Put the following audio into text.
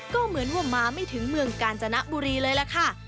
ก็เหมือนว่ามาไม่ถึงเมืองกาญจนบุรีเลยล่ะค่ะ